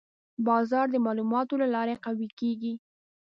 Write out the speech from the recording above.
بازار د معلوماتو له لارې قوي کېږي.